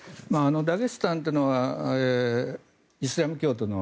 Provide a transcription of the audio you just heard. ダゲスタンというのはイスラム教徒の